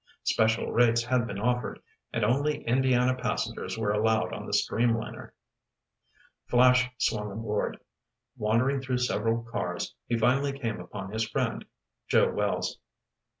Special rates had been offered, and only Indiana passengers were allowed on the streamliner. Flash swung aboard. Wandering through several cars, he finally came upon his friend, Joe Wells.